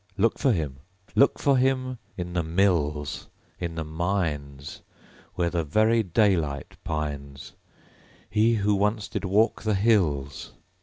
Look for him, Look for him In the mills, In the mines; Where the very daylight pines, He, who once did walk the hills!